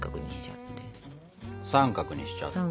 三角にしちゃって。